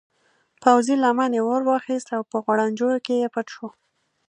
پوځي لمنې اور واخیست او په غوړنجو کې پټ شو.